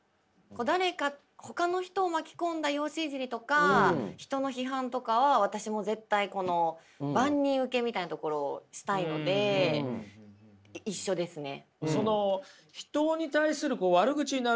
誰かほかの人を巻き込んだ容姿いじりとか人の批判とかは私も絶対この万人受けみたいなところをしたいのでお互いの価値観としてね。